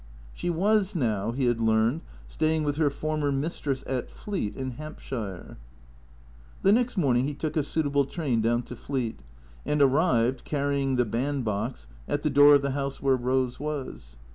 She was now, he had learned, staying with her former mistress at Fleet, in Hampshire. The next morning he took a suitable train down to Fleet, and arrived, carrying the band box, at the door of the house where Rose was.